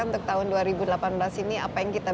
untuk tahun dua ribu delapan belas ini apa yang kita